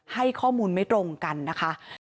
ให้ข้อมูลไม่ตรงกันนะคะ